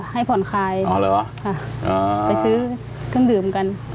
ให้ผ่อนคลายอ๋อเหรอค่ะไปซื้อเครื่องดื่มกัน